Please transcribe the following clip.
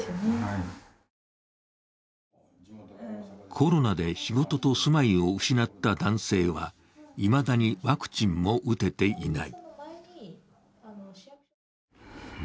コロナで仕事と住まいを失った男性はいまだにワクチンも打てていない。